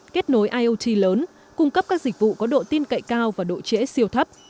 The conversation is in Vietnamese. kết nối iot lớn cung cấp các dịch vụ có độ tin cậy cao và độ trễ siêu thấp